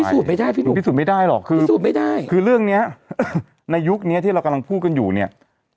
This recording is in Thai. พิสูจน์ไม่ได้พี่หนุ่มพิสูจน์ไม่ได้หรอกคือเรื่องนี้ในยุคนี้ที่เรากำลังพูดกันอยู่เนี่ย